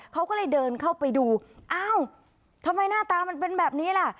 เขาก็เลยเดินเข้าไปดูอ้าวทำไมหน้าตามันเป็นแบบนี้ล่ะ